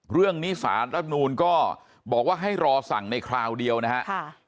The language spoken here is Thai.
เรื่องนี้สารรัฐมนูลก็บอกว่าให้รอสั่งในคราวเดียวนะครับ